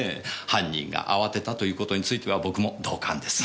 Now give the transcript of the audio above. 犯人が慌てたということについては僕も同感です。